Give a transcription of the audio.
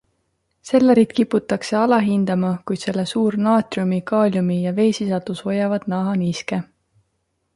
Sellerit kiputakse alahindama, kuid selle suur naatriumi-, kaaliumi- ja veesisaldus hoiavad naha niiske.